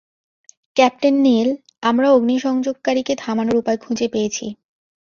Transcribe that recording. Captain Neil, আমরা অগ্নিসংযোগকারীকে থামানোর উপায় খুঁজে পেয়েছি।